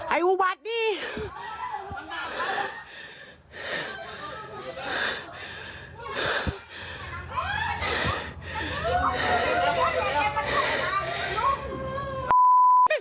ไอ้วูบัตรนี้